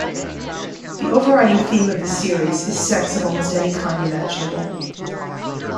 The overriding theme of the series is sex of almost any kind imaginable.